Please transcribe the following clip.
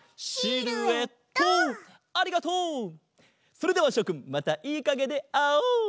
それではしょくんまたいいかげであおう！